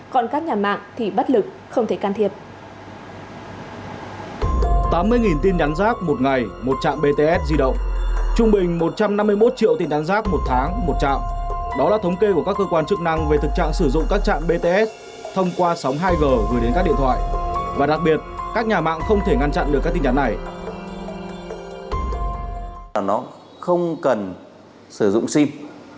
còn các nhà mạng thì bất lực không thể can thiệp